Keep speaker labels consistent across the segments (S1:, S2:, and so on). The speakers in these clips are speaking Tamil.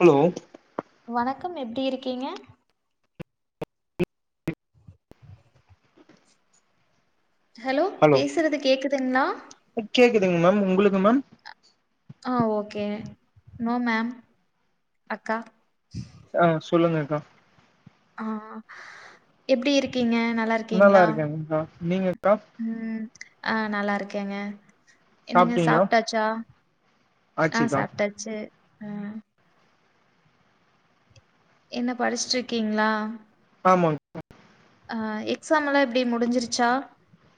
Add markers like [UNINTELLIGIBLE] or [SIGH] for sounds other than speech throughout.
S1: ஹலோ
S2: வணக்கம் எப்டி இருக்கீங்க ஹலோ பேசுறது கேக்குதுங்களா
S1: குதுங்க மேம் உங்களுக்கு மேம்
S2: ஆ ஓகே நோ மேம் அக்கா
S1: ஆ சொல்லுங்கக்கா
S2: ஆ எப்டி இருக்கீங்க
S1: நல்லா இருக்கேங்கக்கா நீங்கக்கா
S2: ம் ஆ நல்லா இருக்கேங்க என்னங்க
S1: சாப்ட்டீங்களா
S2: சாப்ட்டாச்சா ஆ
S1: ஆச்சுக்கா
S2: சாப்ட்டாச்சி அ என்ன படிச்சிட்ருக்கீங்களா
S1: ஆமாங்
S2: அ எக்ஸாமெல்லா எப்டி முடிஞ்சிருச்சா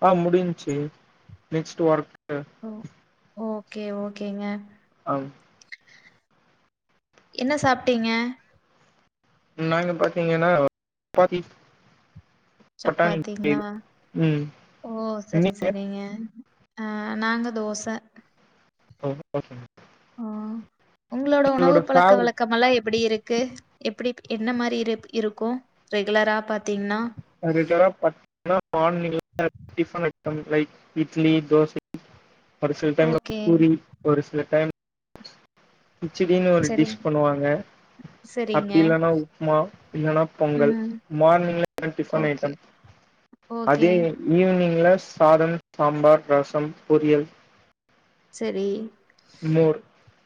S1: ஆ முடிஞ்ச்சி நெக்ஸ்ட்டு ஒர்க்கு
S2: ஓ ஓகே ஓகேங்க
S1: அ
S2: என்ன சாப்ட்டீங்க
S1: நாங்க பாத்தீங்கன்னா பாத்தி
S2: சப்பாத்திங்ளா
S1: ம்
S2: ஓ சரி சரிங்க ஆ நாங்க தோச
S1: ஓ ஓகே மேம்
S2: ஆ உங்களோட உணவு பழக்க
S1: ஃபேவரட்
S2: வழக்கமெல்லா எப்டி இருக்கு எப்டி என்ன மாரி இருப் இருக்கு ரெகுலரா பாத்தீங்னா
S1: அது [INAUDIBLE] morning tiffin like idli dosa ஒரு சில டைம்
S2: ஓகே.
S1: பூரி ஒரு சில டைம் [INAUDIBLE] கச்சிடின்னு ஒரு
S2: சரி.
S1: டிஷ் பண்ணுவாங்க
S2: சரிங்க.
S1: அப்டி இல்லன்னா உப்மா இல்லன்னா பொங்கல்
S2: ம்.
S1: மார்னிங்ல டிஃபன்
S2: ஓகே.
S1: Item
S2: okay.
S1: அதே ஈவினிங்ல சாதம் சாம்பார் ரசம் பொரியல்
S2: செரி
S1: மோர்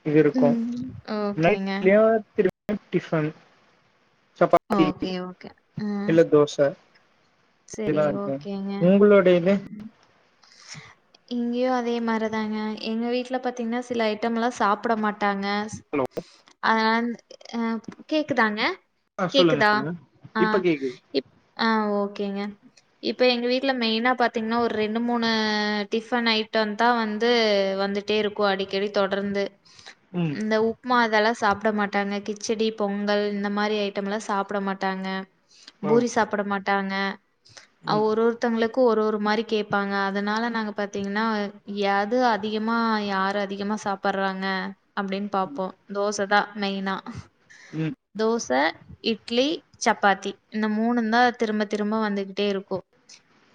S1: இது இருக்கு
S2: ஓகேங்க.
S1: நைட்ல [UNINTELLIGIBLE] டிஃபன் சப்பாத்தி
S2: ஓகே ஓகே ம்
S1: அப்டிதா இருக்கு உங்களோட இது
S2: இங்கேயோ அதே மாரிதாங்க எங்க வீட்டுல பாத்தீங்கனா சில ஐட்டம் எல்லா சாப்ட மாட் ஆ ங்க
S1: ஹலோ
S2: ஆ அம் கேக்குதங்க
S1: ஆ
S2: கேக்குதா
S1: சொல்லுங்க
S2: ஆ
S1: இப்ப கேக்குது
S2: ப் ஓகே ங்க இப்ப எங்க வீட்டுல மெய்னா பாத்தீங்கனா ஒரு ரெண்டு மூணு டிஃபன் ஐட்டம் தா வந்து வந்துட்டே இருக்கொ அடிகடி தொடர்ந்து
S1: ம்
S2: இந்த உப்மா அதெல்லா சாப்ட மாட்டாங்க கிச்சடி பொங்கல் இந்த மாரி ஐட்டமெல்லா சாப்ட மாட்டாங்க
S1: ஓ
S2: பூரி சாப்ட மாட் தாங்க ஆ
S1: ம்
S2: ஒரு ஒருத்தங்களுக் கு ஒரு ஒரு மாரி கேப்பாங்க அதனால நாங்க பாத்தீங்னா எது அதிகமா யார அதிகமா சாப்பர்றாங்க அப்டின்னு
S1: ம்
S2: பாப்போ தோசதா மைய்னா
S1: ம்
S2: தோச இட்லி சப்பாத்தி இந்த மூணுந்தா திரும்பத்திரும் ரொம்ப வந்துகுட்டே இருக்கொ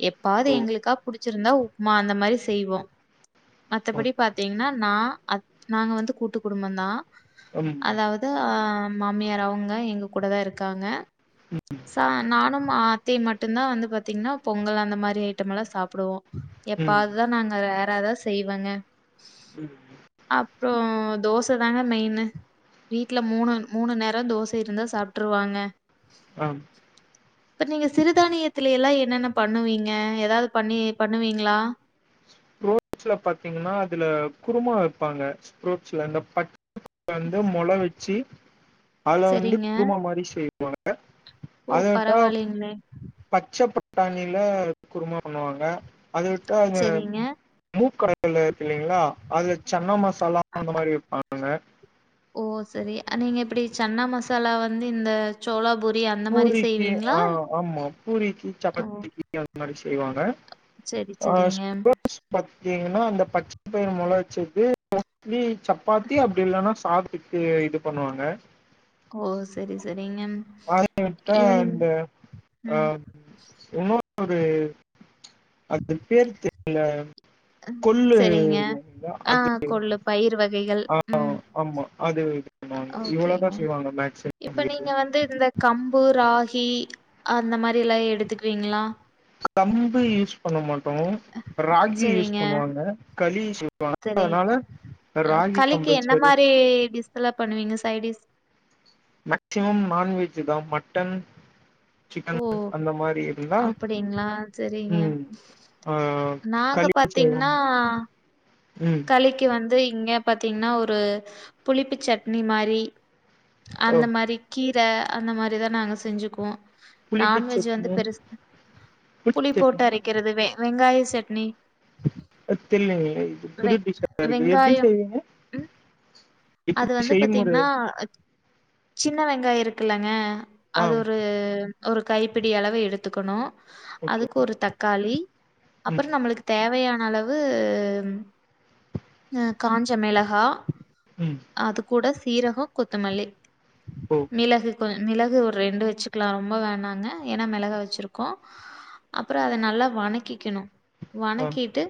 S2: எப்பாது
S1: ஓ
S2: எங்களுக்கா புடிச் ச்சிருந்தா உப்மா அந்த மாரி செய்வோ
S1: ஓ
S2: மத்தபடி பாத்தீங்கனா நா அத் நாங்க வந்து கூட்டு குடும்பந்தா
S1: ம்
S2: அதாவது ஆ மாமியார் அவுங்க எங்க கூடதா இருக்காங்க ச நானும் அ த்தையு மட்டுந்தா வந்து பாத்தீங்கனா பொங்கல் அந்த மாரி ஐட்டமெல்லா சாப்டுவோ
S1: ம் ம்
S2: எப்பாவதுதா நாங்க வேற ஏதாவது ஸ செய்வங்க
S1: ம்
S2: அப்றோ தோச தாங்க மெயினு வீட்டுல மூணு மூணு நேரோ தோச இருந்தா சாப்டுருவாங்க
S1: ஹம்
S2: இப்ப நீங்க ஸ சிறுதானியத்துலேயெல்லா என்னென்ன பண்ணுவீங்க எதாவது பண்ணி பண்ணுவீங்களா
S1: ஃப்ரூட்ஸ் பாத்தீங்கன்னா அதுல குருமா வெப்பாங்க ஃப்ரூட்ஸ் ல இந்த பட்ட வந்து மொலொ வச் சி அதுல வந்து
S2: சரிங்க.
S1: குருமா மாரி செய்யு [UNINTELLIGIBLE]
S2: ஓ!
S1: அதவிட்டா
S2: பரவாயில்லைங்களே!
S1: பச்ச ப பட்டாணில குருமா பண்ணுவாங்க அது விட்டா அங்க
S2: சரிங்க.
S1: மூக்கடல இருக்கு இல்லைங்களா அதுல சன்னா மசாலா அந்த மாரி பண்ணுங்க
S2: ஓ சரி அ நீங்க எப்டி சன்னா மசாலா வந்து இந்த ஜோளாபூரி
S1: பூரிக்கு ஆ ஆமா பூரிக்கி
S2: ஓ!
S1: சப்பாத்திக்கி அந்த மாரி செய்வாங்க
S2: சரி,
S1: ஆ
S2: சரிங்க.
S1: [INAUDIBLE] பாத்தீங்கன்னா அந்த பச்ச பயிறு மொ [INAUDIBLE] ஒன்லி சப்பாத்தி அப்டி இல்லன்னா சாததுக்கு இது பண்ணுவாங்க
S2: ஓ சரி சரி
S1: அத விட்டா அண்டு ஆ
S2: ம்.
S1: இன்னொன்னு ஒரு அந்த பேரு தெரியில
S2: ம்.
S1: கொல்லு
S2: சரிங்க.
S1: [UNINTELLIGIBLE] அதுக்கு
S2: கைகள் ம்
S1: பண்ணுவாங்க
S2: ஓக்கேங்க
S1: இவ்வளவுதான் செய்வாங்க மேக்சிமம்
S2: இப்ப
S1: வீட்ல
S2: நீங்க வந்து இந்த கம்பு ராகி அந்த மாரி யெல்லா எடுத்துக்குவிங்ளா
S1: டோ ராகி யூஸ் பண்ணுவாங்க களி சொ
S2: சரி களிக்கு என்ன
S1: கம்பல்சரி
S2: மாரி டிஸ் எல்லா பண்ணுவீங்க சைடிஸ்
S1: மெக்ட்சிமம் நான்வெஜ் தா மட்டன் சிக்கன்
S2: ஓ
S1: அந்த மாரி இருந்தா
S2: அப்டிங்களா சரிங்க
S1: உம் ஆ
S2: நாங்க
S1: களி
S2: பாத்தீங்ன்னா
S1: செய்வாங்க ம்
S2: களிக்கு வந்து இங்க பாத்தீங்ன்னா ஒரு புளிப்பு சட்னி மாரி
S1: ஓ
S2: அந்த மாரி கீர் ட்ட அந்த மாரிதா நாங்க செஞ்சுக்குவோ
S1: புளிப்பு
S2: நான்வெஜ் வந்து
S1: சட்னி
S2: பெருசா புளி
S1: புளிப்பு
S2: போட்டு அரைக்கிறது வே வெங்காயோ சட்னி
S1: அ தெரிலங்கலே
S2: வெ
S1: [INAUDIBLE] எப்டி
S2: வெங்காயம்
S1: செய்வீங்க
S2: ம் அது
S1: எப்டி
S2: வந்து
S1: செய்முறை
S2: பாத்தீங்ன்னா சின்ன வெங் ங்கா இருக்குலங்க
S1: ஆ
S2: அது ஒரு ஒரு கைப்பிடி அளவு எடுத்துக்கணு
S1: ஓகே
S2: அதுக்கு ஒரு தக்காளி அப்றோ
S1: ம்
S2: நம்ளுக்கு தேவையான அளவு காஞ்ச மெளகா
S1: ம்
S2: அது கூட சீரகொ கொத்தமல்லி
S1: ஓ
S2: மிளகு ப்ப மிளகு ஒரு ரெண்டு வெச்சுக்லா ரொம்ப வேணாங்க ஏன்னா மெளகா வெச்சிருக்கோ அப்புறோ அத நல்லா வணக்கிக்கிணு
S1: ஆ
S2: வணக்கிட்டு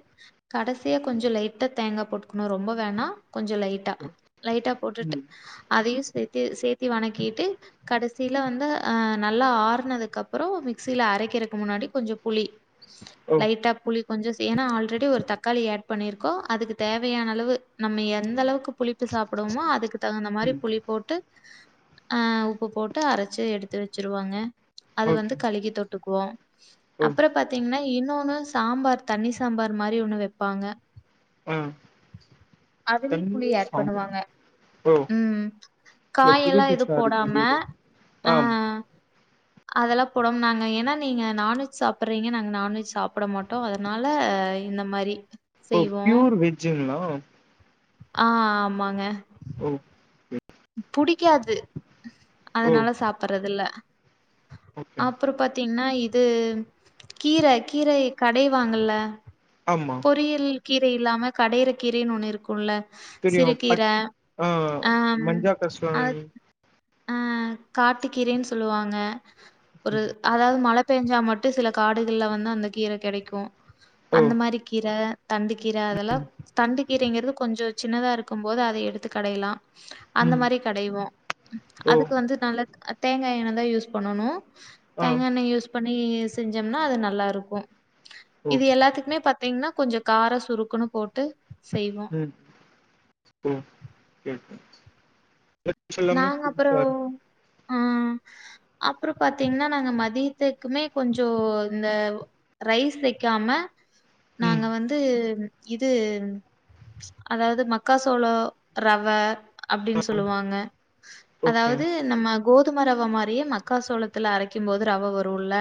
S2: கடசியா கொஞ்சொ லைட்டா தேங்கா போட்டுக்கணு ரொம்ப வேணா கொஞ்சொ லைட்டா லைட்டா போட்டுட்டு
S1: ம்
S2: அதையு சேத் டு சேத்தி வணக்கீட்டு கடசீல வந்து ஆ நல்லா ஆறுனதுக்கப்றோ மிக்சில அரக்கிறக் முன்னாடி கொஞ்சொ புளி
S1: ஓ
S2: லைட்டா புளி கொஞ்சொ சீ ஏனா ஆல்ரெடி ஒரு தக்காளி ஏட் பண்ணிர்க்கோ அதுக்கு தேவயான அளவு நம்ம எந்தளவுக்கு புளி டு சாப்புடுவ்மோ அதுக்கு தகுந்த மாரி
S1: ம்
S2: புளி போட்டு ஆ உப்பு போட்டு அரச்சூ எடுத்து வச்சிருவாங்க அது வந்து
S1: ஓகே
S2: கழிகி தொட்டுக்குவோ
S1: ஓ
S2: அப்றப்பாத்திங்னா இன்னு னு சாம்பார் தண்ணி சாம்பார் மாரி ஒணு வெப்பாங்க
S1: அ தண்ணி சாம்பார்
S2: பணுவாங்க
S1: ஓ
S2: ம்
S1: இல்ல புது
S2: காயெல்லா எது
S1: டிஷ்ஷா இருக்கு
S2: போடாம
S1: இது
S2: ஆ
S1: ஆம்
S2: அதெல்லா போடாம் நாங்க ஏனா நீங்க நாண்வெஜ் சாப்புர்றீங்க நாங்க நாண்வெஜ் சாப்புட மாட்டோ அதனால இந்த மாரி
S1: ஒ
S2: செய்வோ
S1: ப்யூர் வெஜ்ஜுங்ளா
S2: ஆ ஆமாங்க
S1: ஒ
S2: புடிக்காது
S1: ஓ
S2: அதனால சாப்புர்றதில்ல
S1: ஓகே
S2: அப்றோ பாத்திங்னா இ தூ கீர கீரை கடைவாங்கல்ல
S1: ஆமா
S2: பொறியெல் கீரை இல்லாம கடையிற கீரைன் ஒன்னு இருக்குல்ல
S1: தெரியு பட் ஆ மஞ்சா கர்ஸ்லாங்கனி
S2: ஆ காட்டு கீரேன் சொல்லுவாங்க ஒரு அதாவ்து மழ பெஞ்சா மட்டு சில காடுகள்ல வந்து அந்த கீர கெடைக்கூ
S1: ஓ
S2: அந்த மாரி கீர தண்டு கீர அதெல்லா தண்டு கீரைங்குர்து கொஞ்சொ சின்னதா இருக்கும்போது அத எடுத்து கடையலா அந்த
S1: ம்
S2: மாரி கடைவோ
S1: ஓ
S2: அதுக்கு வந்து நல்ல அ தேங்காய் எண்ணெதா யூஸ் பண்ணணூ
S1: ஆ
S2: தேங்காண்ணெ யூஸ் பண்ணி செஞ்சோம்னா அது நல்லா இருக்கு
S1: ஓ
S2: இது எல்லாத்துக்குமே பத் த்தீங்ன்னா கொஞ்ச காரோ சுருக்குன்னு போட்டு செய்வோம்.
S1: ம் சொல்லுங்க ம் [UNINTELLIGIBLE] எல்லாமே
S2: நாங்க அப்புறம்
S1: புதுசாருக்
S2: ஆ அப்பறோ பாத்தீங்னா நாங்க மதியத்துக்குமே கொஞ்சோ இந்த ரைஸ் வெக்காம
S1: ம்
S2: நாங்க வந்து இது அதாவது மக்கா சோளோ ரவ அப்படின் சொல்லுவாங்க
S1: ஓகே
S2: அதாவது நம்ம ஆ கோதும ரவ மாரியே மக்கா சோளத்துல அரைக்கு போது ரவ வரும்ல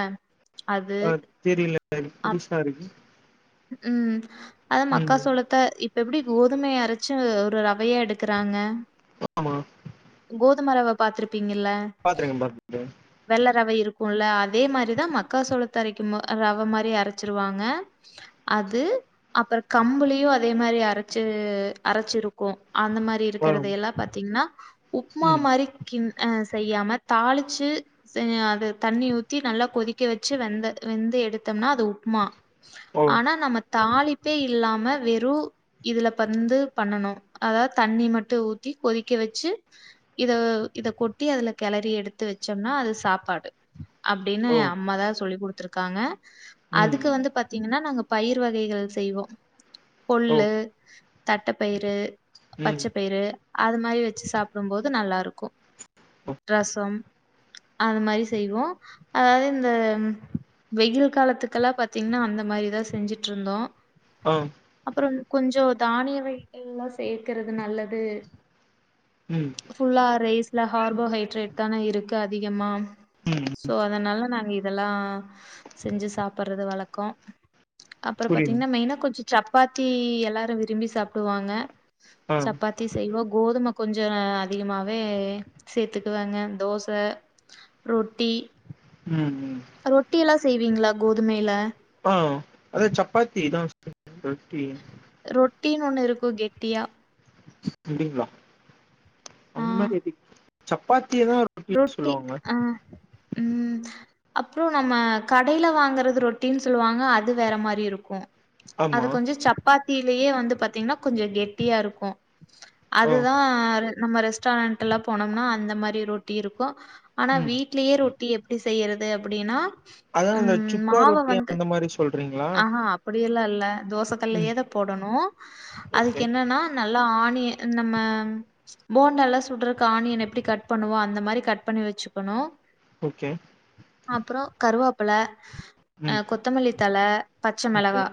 S2: அது
S1: அ தெரில இது
S2: அப்
S1: புதுசா இருக்கு
S2: ம் அத மக்கா
S1: ம்
S2: சோளத்த இப்ப எப்டி கோதுமய அரச்சு ஒரு ரவய எடுக்கறாங்க
S1: ஆமா
S2: கோதும ரவ பாத்திருப் திங்கல்ல
S1: பாத்துருக்கே பாத்துருக்கே
S2: வெள்ள ரவ இருக் க்கும்ல அதே மாரிதா மக்கா சோளத்த அரைக்கு ம ரவ மாரி அரச்சிருவாங்க அது அப்பற கம்புளையு அதே மாரி அரச்சு அரச்சிருக்கு அந்த மாரி
S1: ஆ
S2: இருக்கறத எல்லா பாத்திங்னா [INAUDIBLE] உப்மா
S1: ம்
S2: மாரி கின் அ செய்யாம தாளிச்சி அது தண்ணி ஊத்தி நல்லா கொதிக்க வச்சு வெந்த வெந்து எடுத்தம்னா அது உப்மா
S1: ஓ
S2: ஆனா நம்ம தாலிப் ப்பே இல்லாம வெறு இதுல பந்து பண்ணணு அதாவது தண்ணி மட்டு ஊத்தி கொதிக்க வச்சி இத இத கொட்டி அதுல கெளரி எடுத்து வச்சோம்னா அது சாப்பாடு அப்டின்னு
S1: ஓ
S2: அம்மா தா சொல்லி குடுத் டுத்துருக்காங்க அதுக்கு
S1: ம்
S2: வந்து பாத்தீங்கன்னா நாங்க பயிர் வகைகள் செய்வோ
S1: ஓ
S2: கொள்ளு தட்ட பயிறு
S1: ம்
S2: பச்சப் பயிறு அது மாரி வெச்சு சாப்டும்போது நல்லாருக்கு
S1: ஓ
S2: ரசம் அது மாரி செய்வோ அதாது இந்த ம் வெயில் காலத்துக்கெல்லா பாத்தீங்ன்னா அந்த மாரிதா ஸ் செஞ்சிட்ருந்தோ
S1: ஆ
S2: அப்புறோ கொஞ்சோ தானிய [INAUDIBLE] சேக்கறது நல்லது
S1: ம்
S2: ஃபுல்லா ரேஸ் ல்ல ஹார்போஹைட்ரேட் தான இருக்கு அதிகமா
S1: ம்
S2: சோ அதனால நாங்க இ இதெல்லா செஞ்சு சாப்பட்றது வழக்கோ அப்பறோப்
S1: புரியுது
S2: பாத்தீங்ன்னா மெயினா கொஞ்சு சப்பாத்தி எல்லாரு விரும்பி சாப்டுவாங்க
S1: ஆ
S2: சப்பாத்தி செய்வோ கோதும கொஞ்ச அதிகமாவே சேத்துக்குவேங்க தோச ரொட்டி
S1: ம் ம்
S2: செய்வீங்ளா கோதுமைல
S1: அ அதா சப்பாத்திதா ரொட்டி
S2: ரொட்டீன் ஒண்ணிருக்கு கெட்டியா
S1: [INAUDIBLE]
S2: ஆ
S1: [UNINTELLIGIBLE] ச்சப்பாத்
S2: ரொட்டி அ ம் அப்றோ நம்ம கடையில வாங்கறது ரொட்டின் சொல்வாங்க அது வேற மாரி இருக்கு அது
S1: ஆமா
S2: கொஞ்ச சப்பாத்திலியே வந் த்து பாத்தீங்ன்னா கொஞ்சோ கெட்டியாருக்கு
S1: ஓ
S2: அதுதா ர் நம்ம ரெஸ்டாரண்டல்லா போனம்னா அந்த மாரி ரொட் டி இருக்கு ஆனா
S1: ம்
S2: வீட்லயே ரொ ட்டி எப்டி செய்யறது அப்டின்னா
S1: அததா அந்த
S2: ம்
S1: சுக்கா
S2: மாவ
S1: ரொட்டி
S2: வந்து
S1: அந்த மாரி சொல்றீங்களா
S2: தோச கல்லயே
S1: ம்
S2: தா போடணு அதுக்கு
S1: ஓகே
S2: என்னன்னா ந ல்ல ஆனியன் இந்த மா ம் போண்டாலா சுடுறக்கு ஆனியன் எப்டி கட் பண்ணுவோ அந்த மா அந் மாரி கட் பண்ணி வெச்சுக்கணு
S1: ஓகே
S2: அப்புறோ கருவா ப்ள
S1: ம்
S2: அஹ் கொத்தமல்லி தழ பச்ச
S1: ஓகே
S2: மிளகா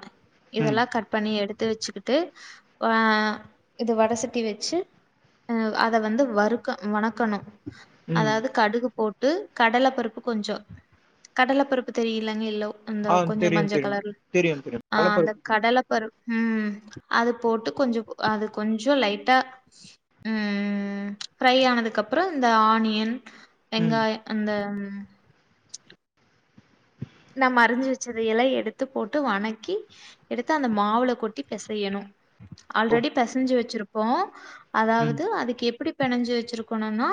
S1: ம்
S2: இதெல்லா கட் பண்ணி எடுத் எத்து வச்சுக்கிட்டு அஹ் இது வடசட்டி வச்சு ஆ அத வந்து வறுக்க வணக்கணும்
S1: ம்
S2: அதாவது கடுகு போட் டு கடல பருப்பு கொஞ்சம் கடல பருப்பு தெரியலங்க யேல்லோ அந்த
S1: ஆ
S2: கொஞ்ச
S1: தெரியு
S2: மஞ்ச
S1: தெரியு
S2: கலர்ல
S1: தெரியு தெரியு
S2: ஆஹ் அந்த
S1: கலப்பருப்பு
S2: கடல பருப் உம் அது போட்டு கொஞ்ச அது கொஞ்ச லைட்டா ஊம் ஃப்ரை ஆனதுக்கு அப்பறம் இந்த ஆனி யன்
S1: ம்
S2: வெங்காய அந்த ம் நம்ம அறிஞ்சு வச்சத எல்லா எடுத்து போட்டு வணக்கி எடுத்து அந்த மாவுல கொட்டி பெசையணும்
S1: ஓ
S2: ஆல்ரெடி பேசஞ்சு வெச்சிரு இப்போ
S1: ம்
S2: அதாவது அதுக்கு எப்டி பிணஞ்சு வச்சிருக்கணும்னா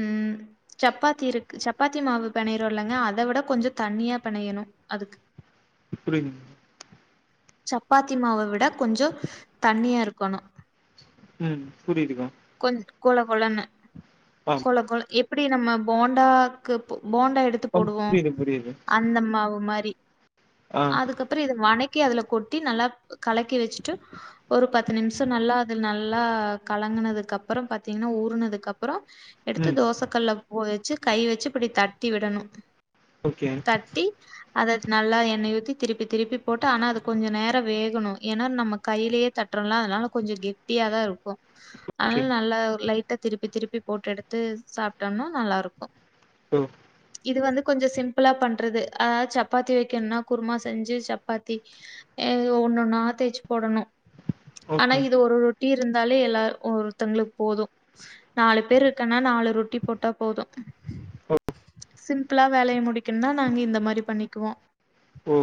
S2: ம் சப்பாத்தி இருக்கு சப்பாத்தி மாவு பிணையிரோலங்க அத விட கொஞ்ச தண்ணியா பணையணும் அதுக்கு
S1: புரில
S2: சப்பாத்தி மாவ விட கொஞ்சோ தண்ணியா இருக்கணு
S1: உம் புரியுதுகா
S2: கொஞ் கொல கொலன்னு
S1: ஆ
S2: கொல கொல எப்டி நம்ம போண்டாக்கு போ போண்டா எடுத்து
S1: ஆ
S2: போடுவோம்
S1: புரியுது புரியுது
S2: அந்த மாவு மாரி
S1: ஆ
S2: அதுக்கப்புறம் இத வணக் கி அதுல கொட்டி நல்லா கலக்கி வச்சுட்டு ஒரு பத்து நிமிஷம் நல்லா அது நல்லா கலங்குனது கப்பறம் பாத்தீங்கன்னா ஊறனதுக்கு அப்புறம் எடுத்து
S1: ம்
S2: தோச கல்ல போ வச்சு கை வச்சு இப்டி தட்டி விடணு
S1: ஓகே
S2: தட்டி அத நல்லா எண்ணெய் ஊத்தி திருப்பி திருப்பி போட்டு ஆனா அது கொஞ்ச நேரம் வேகணும் ஏன்னா நம்ம கையிலேயே தட்டுறோம்ல அதனால கொஞ்சம் கெட்டியா தா இருக்கு ஆனால
S1: ஓகே
S2: நல்லா ஒரு லை திருப்பி திருப்பி போட்டு எடுத்து சாப்ட்டோம்னா நல்லா இருக்கும்
S1: டொ
S2: இது வந்து கொஞ்சொ சிம்ப்பிளா பண்றது. ஆ ஆ சப்பாத்தி வைக்கன்னா குருமா செஞ்சு சப்பாத்தி ஏ ஒன்னொன்னா தேய்ச் போடணு ஆனா
S1: ஓகே
S2: இது ஒருர் ட்டி இருந்தாலே எல்லா ஒருத்தங்ளுக் போது. நாலு பேருக்கன்னா நாலு ரொட்டி பொட்டா போது.
S1: ஓ
S2: சிம்ப்ளா வேலைய முடிக்குன்னா நாங்க இந்த மாரி பண்ணிக்குவோ.
S1: ஓ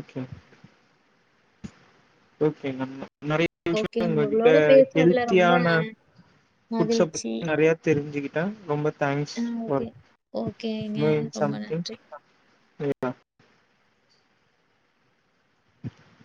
S1: ஓகேங் ஓகே நம்ம நெறைய விஷ்யோ
S2: ஓகே.
S1: உங்ககிட்டா
S2: உங்களோட பேசுனதுல ரொம்ப
S1: ஹெல்த்தியான ஃபுட்ஸ்ச பத்தி நெறையா தெரிஞ்சுகிட் த ரொம்பத்
S2: ம் ஓகே. ஓகேங்க ரொம்ப நன்றி.
S1: அ